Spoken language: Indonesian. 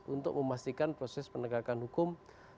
untuk memastikan proses penegakan hukum